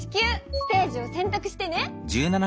ステージをせんたくしてね！